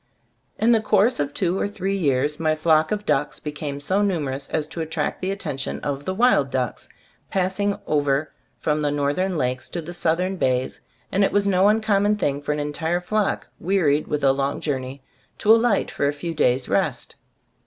In the course of two or three years my flock of ducks became so numer ous as to attract the attention of the wild ducks, passing over from the northern lakes to the southern bays, and it was no uncommon thing for an entire flock, wearied with a long 70 Zbe Stors of A? Gbtlftbood journey, to alight for a few days' rest.